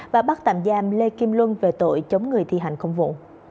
và bắt tạm giam lê kim luân về tội chống người thi hành công vụ